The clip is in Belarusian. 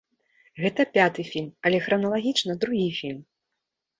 Гэта пяты фільм, але храналагічна другі фільм.